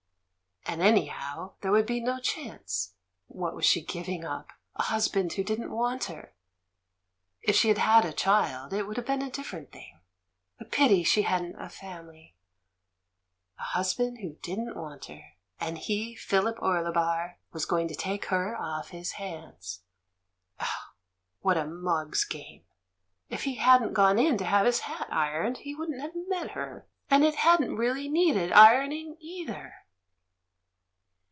And anvhow there would be no chance; what was she giving up — a husband who didn't want her. If she had had a child, it 252 THE MAN WHO UNDERSTOOD WOMEN would have been a different thing. A pity she hadn't a family! A husband who didn't want her. And he, Philip Orlebar, was going to take her off his hands. Oh, what a mug's game! If he hadn't gone in to have his hat ironed, he wouldn't have met her. And it hadn't really needed ironing either